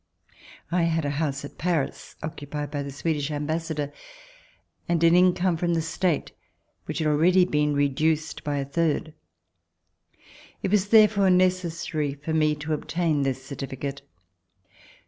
I had a house at Paris, occupied by the Swedish Ambassador, and an income from the State which had already been reduced by a third. It was therefore necessary for me to obtain this certificate.